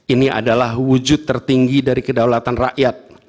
ini adalah wujud tertinggi dari kedaulatan rakyat